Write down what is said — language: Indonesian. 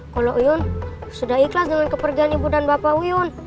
kalau yuyun sudah ikhlas dengan kepergian ibu dan bapak uyun